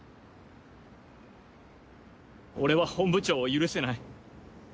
俺は本部長を許せない。